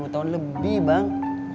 lima puluh tahun lebih bang